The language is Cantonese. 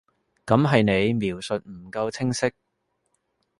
噉係你描述唔夠清晰